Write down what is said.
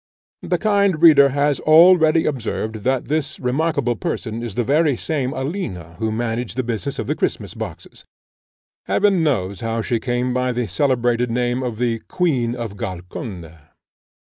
The kind reader has already observed that this remarkable person is the very same Alina who managed the business of the Christmas boxes. Heaven knows how she came by the celebrated name of the Queen of Golconda!